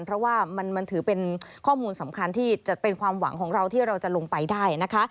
เพราะว่ามันถือเป็นข้อมูลสำคัญที่จะเป็นความหวังของเราที่เราจะลงไปได้นะคะ